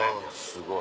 すごい。